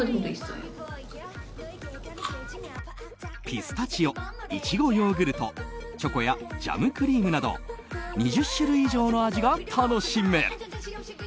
ピスタチオ、いちごヨーグルトチョコやジャム・クリームなど２０種類以上の味が楽しめる。